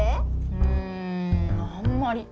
うんあんまり。